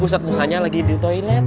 ustad musanya lagi di toko ini